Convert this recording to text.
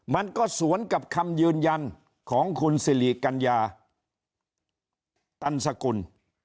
มันก็สวนกับคำยืนยันของคุณสิริกัญญาตันสกุล